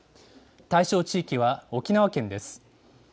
対象地域は沖縄県です。